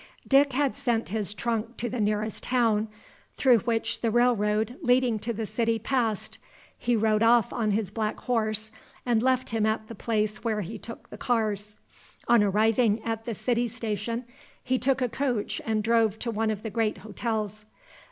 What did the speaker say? Dick had sent his trunk to the nearest town through which the railroad leading to the city passed. He rode off on his black horse and left him at the place where he took the cars. On arriving at the city station, he took a coach and drove to one of the great hotels.